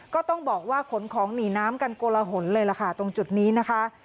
ก็ต้องบอกว่าขนของหนีน้ำกันโกลหนเลยล่ะค่ะตรงจุดนี้นะคะ